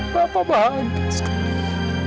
bapak bahagia sekarang